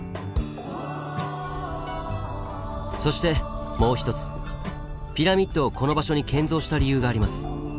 そしてもう一つピラミッドをこの場所に建造した理由があります。